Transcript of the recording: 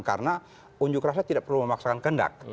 karena unjuk rasa tidak perlu memaksakan kendak